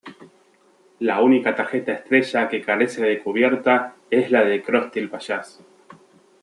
La única tarjeta estrella que carece de cubierta es la de Krusty el payaso.